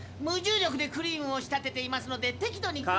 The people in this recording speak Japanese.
無重力でクリームを仕立てていますので適度に。